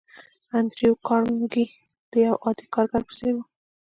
انډريو کارنګي د يوه عادي کارګر په څېر و.